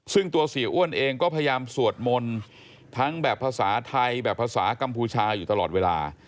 ซึ่งตัวเสียอ้วนเองก็พยายามสวดมนต์ทั้งแบบภาษาไทยแบบภาษากัมพูชาอยู่ตลอดเวลา